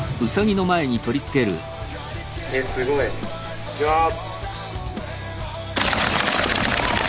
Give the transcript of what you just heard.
すごい。いきます！